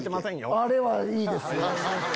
あれはいいですよ。